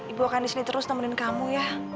ibu akan disini terus nemenin kamu ya